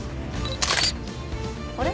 あれ？